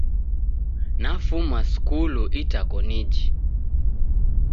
Nafuma skulu itakoniji.